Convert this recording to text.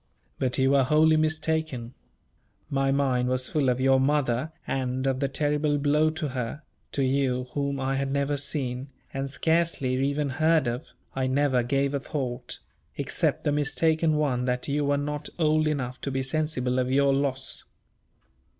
But you were wholly mistaken. My mind was full of your mother and of the terrible blow to her; to you, whom I had never seen, and scarcely even heard of, I never gave a thought; except the mistaken one that you were not old enough to be sensible of your loss.